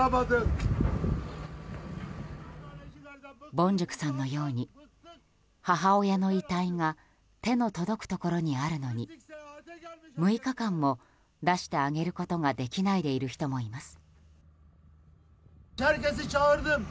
ボンジュクさんのように母親の遺体が手の届くところにあるのに６日間も出してあげることができないでいる人もいます。